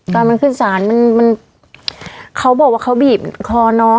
ตอนมันขึ้นศาลมันมันเขาบอกว่าเขาบีบคอน้อง